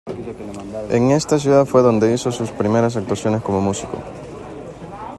En esta ciudad fue donde hizo sus primeras actuaciones como músico.